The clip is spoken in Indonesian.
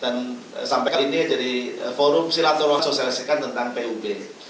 dan sampaikan ini jadi forum silaturahman sosialisikan tentang pub